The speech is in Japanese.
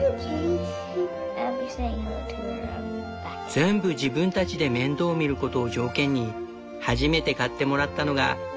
全部自分たちで面倒みることを条件に初めて買ってもらったのが日本原産の白いチャボ。